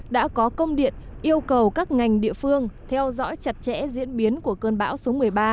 đã có công điện yêu cầu các ngành địa phương theo dõi chặt chẽ diễn biến của cơn bão số một mươi ba